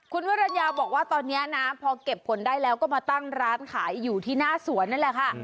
คุณวรรณยาบอกว่าตอนนี้นะพอเก็บผลได้แล้วก็มาตั้งร้านขายอยู่ที่หน้าสวนนั่นแหละค่ะ